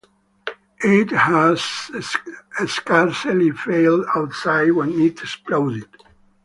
It had scarcely fallen outside when it exploded.